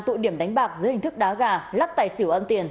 tụ điểm đánh bạc dưới hình thức đá gà lắc tài xỉu ăn tiền